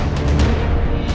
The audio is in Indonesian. nih ga ada apa apa